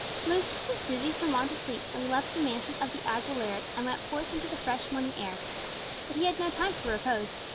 Lucius was dizzy from want of sleep when he left the mansion of the Aguileras and went forth into the fresh morning air. But he had no time for repose.